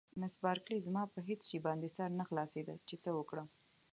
مس بارکلي: زما په هېڅ شي باندې سر نه خلاصېده چې څه وکړم.